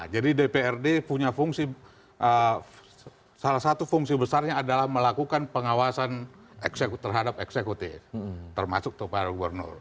jadi dprd punya fungsi salah satu fungsi besarnya adalah melakukan pengawasan terhadap eksekutif termasuk tupar gubernur